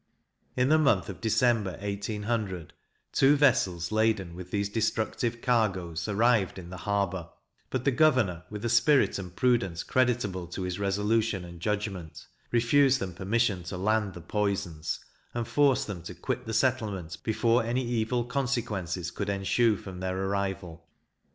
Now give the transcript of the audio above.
In the month of December, 1800, two vessels laden with these destructive cargoes arrived in the harbour; but the governor, with a spirit and prudence creditable to his resolution and judgment, refused them permission to land the poisons, and forced them to quit the settlement before any evil consequences could ensue from their arrival.